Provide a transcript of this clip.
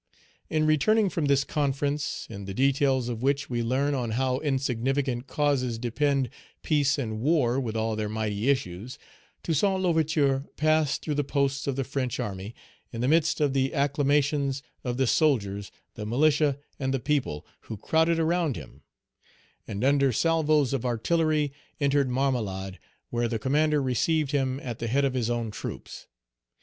In returning from this conference, in the details of which we learn on how insignificant causes depend peace and war with all their mighty issues, Toussaint L'Ouverture passed through the posts of the French army, in the midst of the acclamations of the soldiers, the militia, and the people, who crowded around him; and under salvos of artillery, entered Marmelade, where the commander received him at the head of his own troops.